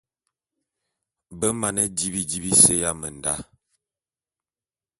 Be mane di bidi bise ya menda.